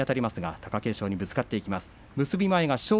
貴景勝にぶつかっていきます。